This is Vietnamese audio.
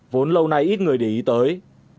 vốn lâu nay ít người để ý tới